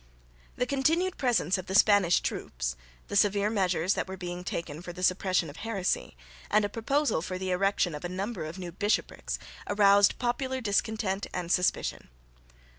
The continued presence of the Spanish troops, the severe measures that were being taken for the suppression of heresy, and a proposal for the erection of a number of new bishoprics, aroused popular discontent and suspicion.